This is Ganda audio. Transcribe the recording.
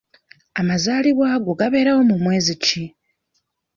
Amazaalibwa go gabeerawo mu mwezi ki?